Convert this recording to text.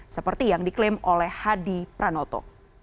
seperti yang diklaim oleh hadi pranoto